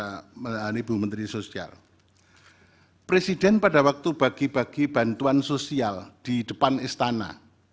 jadi menteri para ibu menteri sosial presiden pada waktu bagi bagi bantuan sosial di depan istana